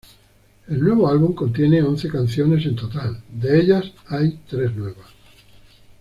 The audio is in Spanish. El nuevo álbum contiene once canciones en total., de ellas, hay tres nuevas.